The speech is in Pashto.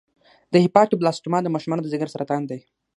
د هیپاټوبلاسټوما د ماشومانو د ځګر سرطان دی.